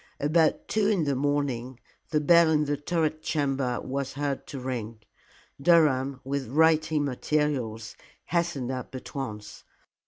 About two in the morning the bell in the turret chamber was heard to ring. Durham, with writing materials, hastened up at once.